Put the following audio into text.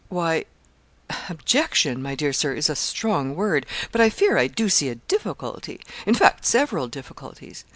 Why, objection, my dear Sir, is a strong word; but I fear I do see a difficulty in fact, several difficulties.